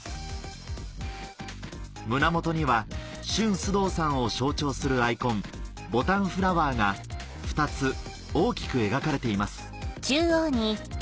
胸元にはＳＨＵＮＳＵＤＯさんを象徴するアイコンボタンフラワーが２つ大きく描かれています